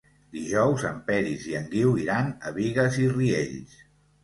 Dijous en Peris i en Guiu iran a Bigues i Riells.